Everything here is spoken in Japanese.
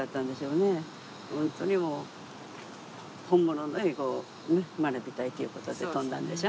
本当にもう本物の英語を学びたいということで飛んだんでしょ。